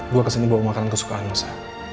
gue kesini bawa makanan kesukaan besar